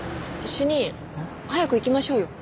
主任早く行きましょうよ。